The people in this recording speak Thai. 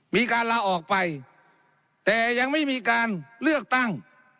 ลาออกไปแต่ยังไม่มีการเลือกตั้ง